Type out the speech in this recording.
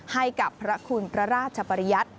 ให้กับพระคุณพระราชปริยัติ